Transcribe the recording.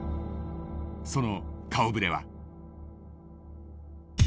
その顔ぶれは。